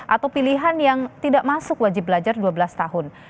atau pilihan yang tidak masuk wajib belajar dua belas tahun